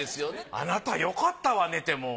「あなた良かったわね」ってもう。